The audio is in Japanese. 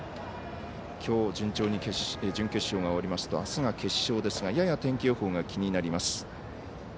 きょう、順調に準決勝が終わりますとあすが決勝ですがやや天気予報が気になります。